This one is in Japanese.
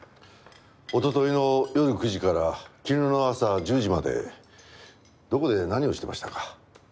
おとといの夜９時から昨日の朝１０時までどこで何をしてましたか？